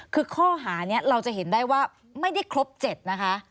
คือข้อหานี้เราจะเห็นได้ว่าไม่ได้ครบ๗นะคะ